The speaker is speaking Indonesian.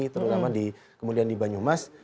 terutama kemudian di banyumas